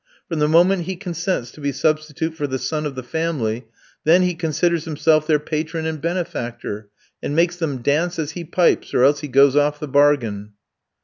From the moment he consents to be substitute for the son of the family then he considers himself their patron and benefactor, and makes them dance as he pipes, or else he goes off the bargain.